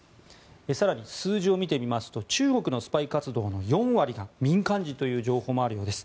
更に数字を見てみますと中国のスパイ活動の４割が民間人という情報もあるようです。